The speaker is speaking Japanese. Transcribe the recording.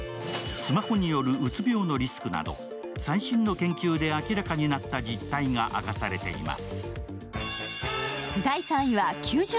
スマホによるうつ病のリスクなど最新の研究で明らかになった実態が明かされています。